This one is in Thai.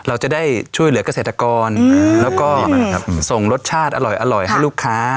เราจะได้ช่วยเหลือกเกษตรกรแล้วก็ส่งรสชาติอร่อยให้ลูกค้า